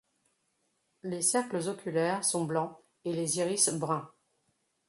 Les cercles oculaires sont blancs et les iris bruns.